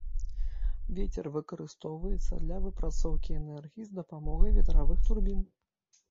Вецер выкарыстоўваецца для выпрацоўкі энергіі з дапамогай ветравых турбін.